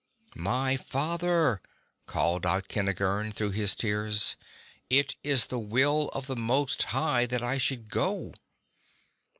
"My father," called out Kentigern through his tears, "it is the will of the Most High that I should go."